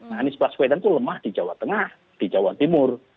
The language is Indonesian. nah anies baswedan itu lemah di jawa tengah di jawa timur